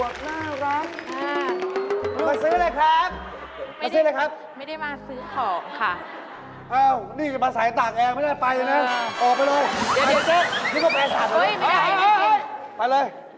อัวน่ารักมาซื้อเลยครับมาซื้อเลยครับ